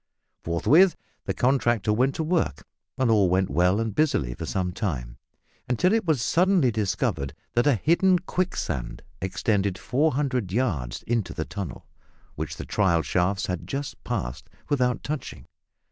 Forthwith the contractor went to work, and all went well and busily for some time, until it was suddenly discovered that a hidden quicksand extended 400 yards into the tunnel, which the trial shafts had just passed without touching.